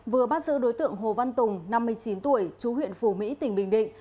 vừa bắt giữ đối tượng hồ văn tùng năm mươi chín tuổi chú huyện phủ mỹ tỉnh bình định